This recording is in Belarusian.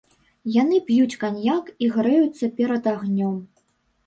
Яны п'юць каньяк і грэюцца перад агнём.